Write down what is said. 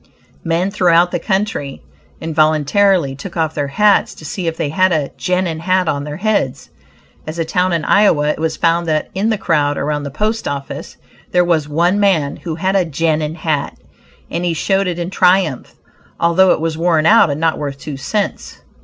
Men throughout the country involuntarily took off their hats to see if they had a "Genin" hat on their heads. At a town in Iowa it was found that in the crowd around the post office, there was one man who had a "Genin" hat, and he showed it in triumph, although it was worn out and not worth two cents.